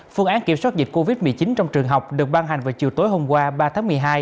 phương án kiểm soát dịch covid một mươi chín trong trường học được ban hành vào chiều tối hôm qua ba tháng một mươi hai